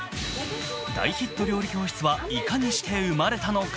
大ヒット料理教室はいかにして生まれたのか。